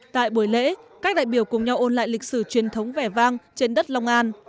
tại buổi lễ các đại biểu cùng nhau ôn lại lịch sử truyền thống vẻ vang trên đất long an